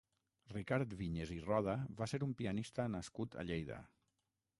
Ricard Viñes i Roda va ser un pianista nascut a Lleida.